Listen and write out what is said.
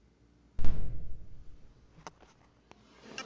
Burton es conocido por sus fábricas de cerveza.